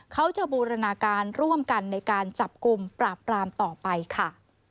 เขาจะบูรณาการร่วมกันในการจับกลุ่มปราบปรามต่อไปค่ะ